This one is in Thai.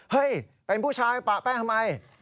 เฮ้ยเป็นผู้ชายปะแป้งทำไม